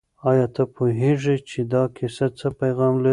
آیا ته پوهېږې چې دا کیسه څه پیغام لري؟